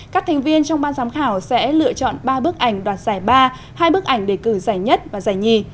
các thành viên trong ban giám khảo sẽ lựa chọn ba bước ảnh đoạt giải ba hai bước ảnh đề cử giải nhất và giải hai